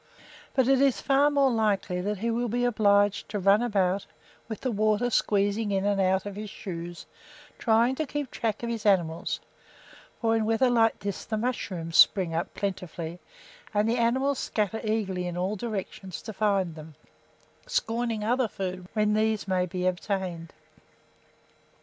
But it is far more likely that he will be obliged to run about, with the water squeezing in and out of his shoes, trying to keep track of his animals; for in weather like this the mushrooms spring up plentifully and the animals scatter eagerly in all directions to find them, scorning other food when these may be obtained.